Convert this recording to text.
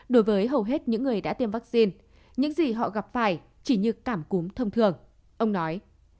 đối với hầu hết những người đã tiêm vaccine những gì họ gặp phải chỉ như cảm cúm thông thường ông nói